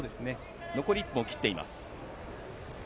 残り１分を切っています。